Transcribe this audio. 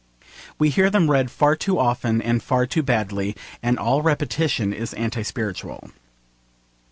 We hear them read far too often and far too badly, and all repetition is anti spiritual.